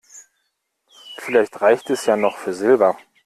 Vielleicht reicht es ja noch für Silber.